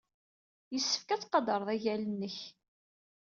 Yessefk ad tqadred agal-nnek.